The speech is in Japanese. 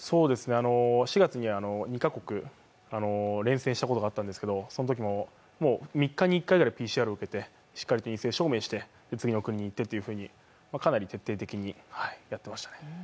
４月に２カ国連戦したことがあったんですけどそのときも３日に１回ぐらいＰＣＲ検査して、しっかり陰性証明して、次の国に行ってとかなり徹底的にやってましたね。